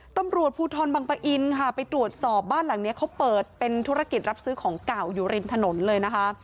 ตำรวจภูทรบังปะอินค่ะไปตรวจสอบบ้านหลังนี้เขาเปิดเป็นธุรกิจรับซื้อของเก่าอยู่ริมถนนเลยนะคะ